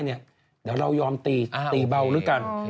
เดี๋ยวเรายอมตีตีเบาแล้วกัน